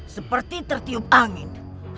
seperti tertiup angin